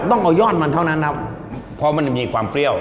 ต้องเอายอดมันเท่านั้นครับเพราะมันมีความเปรี้ยว